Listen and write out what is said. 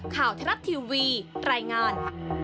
ข่าวทะลับทีวีรายงาน